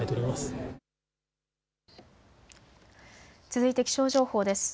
続いて気象情報です。